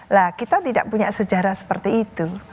lah kita tidak punya sejarah seperti itu